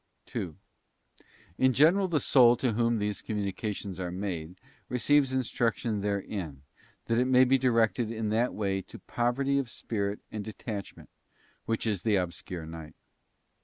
2. In general the soul to whom these communications are made requires instruction therein, that it may be directed in that way to poverty of spirit and detachment, which is the Obscure Night.